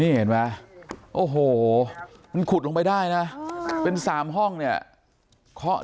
นี่เห็นไหมโอ้โหมันขุดลงไปได้นะเป็น๓ห้องเนี่ยเคาะ